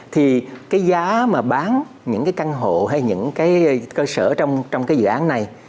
thì cái giá mà bán những căn hộ hay những cơ sở trong cái dự án này